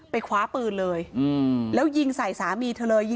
คว้าปืนเลยแล้วยิงใส่สามีเธอเลย